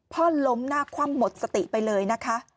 ล้มหน้าคว่ำหมดสติไปเลยนะคะ